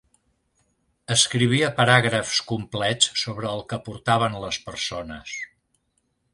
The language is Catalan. Escrivia paràgrafs complets sobre el que portaven les persones.